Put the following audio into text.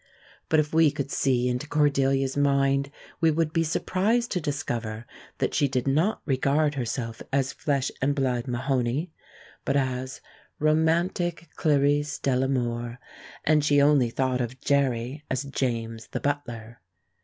But if we could see into Cordelia's mind we would be surprised to discover that she did not regard herself as flesh and blood Mahoney, but as romantic Clarice Delamour, and she only thought of Jerry as James the butler.